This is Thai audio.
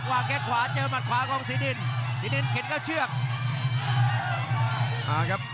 แค่งขวาเจอหมัดขวาของสีดินสีดินเข็นเข้าเชือกมาครับ